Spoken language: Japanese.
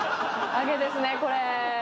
アゲですねこれ。